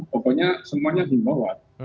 pokoknya semuanya imbauan